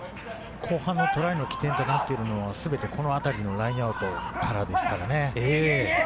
後半のトライの起点となっているのは全てこの辺りのラインアウトからですからね。